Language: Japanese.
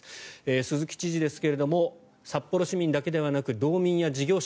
鈴木知事ですが札幌市民だけではなく道民や事業者